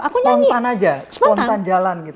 aku nyanyi spontan aja spontan jalan gitu